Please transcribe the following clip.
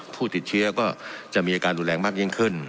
ผู้ติดเชื้อก็จะมีอาการรุนแรงมากยิ่งขึ้น